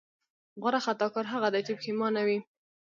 غوره خطاکار هغه دی چې پښېمانه وي.